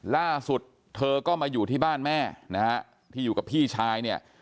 ล่าสุดเธอก็มาอยู่ที่บ้านแม่นะฮะที่อยู่กับพี่ชายเนี่ย